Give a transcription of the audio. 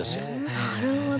なるほど。